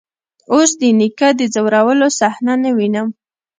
اوس د نيکه د ځورولو صحنه نه وينم.